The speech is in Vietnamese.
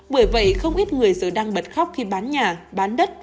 bởi vậy không ít người giờ đang bật khóc khi bán nhà bán đất